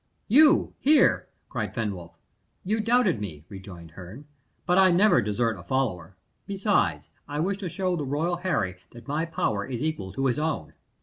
"You here!" cried Fenwolf. "You doubted me," rejoined Herne, "but I never desert a follower. Besides, I wish to show the royal Harry that my power is equal to his own."